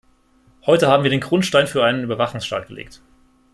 Heute haben wir den Grundstein für einen Überwachungsstaat gelegt.